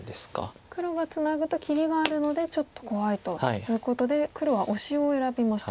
黒がツナぐと切りがあるのでちょっと怖いということで黒はオシを選びました。